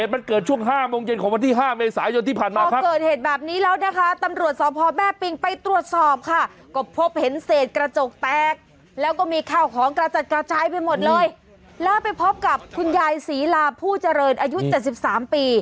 มันกระจกแตกแล้วก็มีข้าวของกระจัดกระจ่ายไปหมดเลยแล้วไปพบกับคุณยายศรีราพผู้เจริญอายุ๗๓ปี